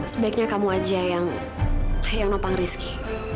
sebaiknya kamu aja yang nopang rizki